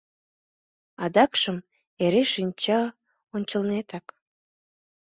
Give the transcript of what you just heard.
Адакшым эре шинча ончылнетак.